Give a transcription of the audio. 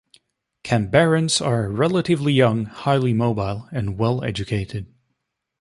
Canberrans are relatively young, highly mobile, and well educated.